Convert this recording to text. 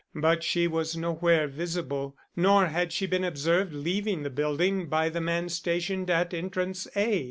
But she was nowhere visible, nor had she been observed leaving the building by the man stationed at entrance A.